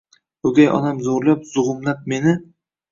O’gay onam zo’rlab, zug’umlab meni: